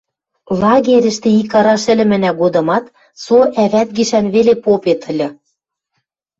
Лагерьӹштӹ икараш ӹлӹмӹнӓ годымат со ӓвӓт гишӓн веле попет ыльы.